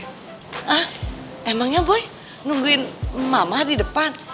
hah emangnya boy nungguin mama di depan